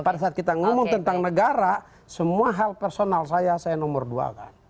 pada saat kita ngomong tentang negara semua hal personal saya saya nomor dua kan